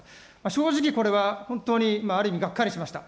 正直これは本当にある意味がっかりしました。